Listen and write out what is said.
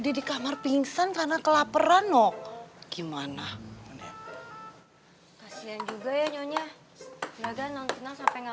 dia di kamar pingsan karena kelaparan oh gimana kasian juga ya nyonya ya gan nonton sampai nggak